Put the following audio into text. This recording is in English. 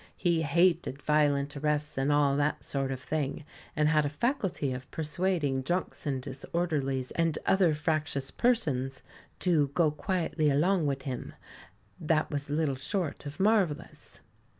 He hated violent arrests and all that sort of thing, and had a faculty of persuading drunks and disorderlies and other fractious persons to "go quietly along wid him," that was little short of marvellous.